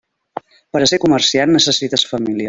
Per a ser comerciant necessites família.